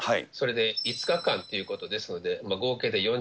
それで、５日間ということですので、合計で４０